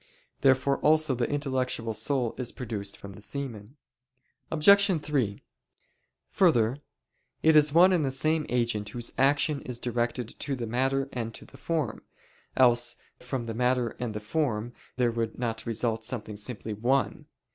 Therefore also the intellectual soul is produced from the semen. Obj. 3: Further, it is one and the same agent whose action is directed to the matter and to the form: else from the matter and the form there would not result something simply one.